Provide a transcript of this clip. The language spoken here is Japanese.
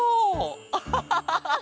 アハハハハ。